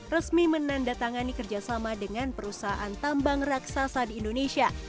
resmi menandatangani kerjasama dengan perusahaan tambang raksasa di indonesia